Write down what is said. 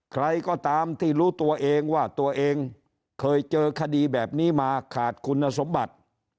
ใครก็ตามที่รู้ตัวเองว่าตัวเองเคยเจอคดีแบบนี้มาขาดคุณสมบัติ